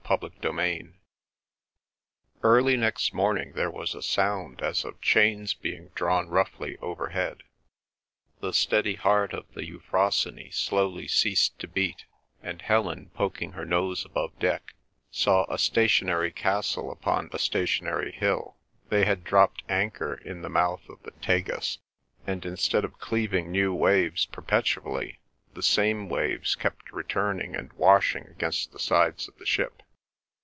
CHAPTER III Early next morning there was a sound as of chains being drawn roughly overhead; the steady heart of the Euphrosyne slowly ceased to beat; and Helen, poking her nose above deck, saw a stationary castle upon a stationary hill. They had dropped anchor in the mouth of the Tagus, and instead of cleaving new waves perpetually, the same waves kept returning and washing against the sides of the ship.